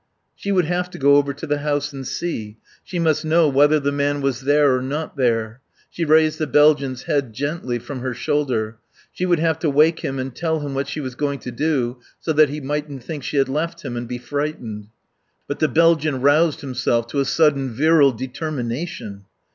She would have to go over to the house and see. She must know whether the man was there or not there. She raised the Belgian's head, gently, from her shoulder. She would have to wake him and tell him what she was going to do, so that he mightn't think she had left him and be frightened. But the Belgian roused himself to a sudden virile determination.